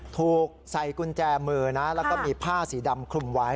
ถูกใส่กุญแจมือนะแล้วก็มีผ้าสีดำคลุมไว้